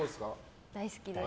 大好きです。